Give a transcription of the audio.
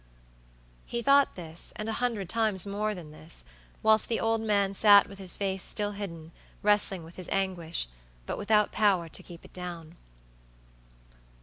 He thought this, and a hundred times more than this, while the old man sat with his face still hidden, wrestling with his anguish, but without power to keep it down.